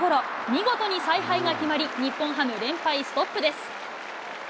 見事に采配が決まり、日本ハム、連敗ストップです。